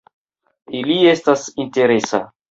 Ili estas interesa.